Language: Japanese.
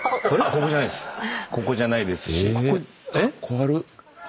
ここじゃないですし。